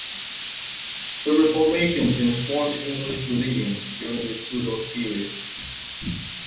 The Reformation transformed English religion during the Tudor period.